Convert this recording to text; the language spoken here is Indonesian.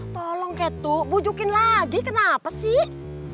tolong kaya itu bujukin lagi kenapa sih